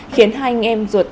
khiến hai anh em ruột